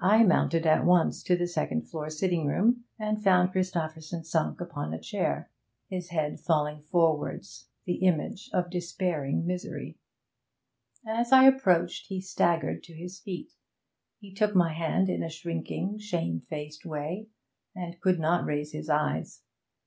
I mounted at once to the second floor sitting room, and found Christopherson sunk upon a chair, his head falling forwards, the image of despairing misery. As I approached he staggered to his feet. He took my hand in a shrinking, shamefaced way, and could not raise his eyes.